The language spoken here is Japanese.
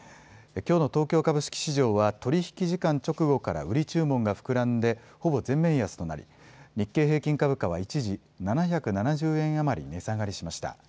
きょうの東京株式市場は取り引き時間直後から売り注文が膨らんで、ほぼ全面安となり日経平均株価は一時７７０円余り値下がりしました。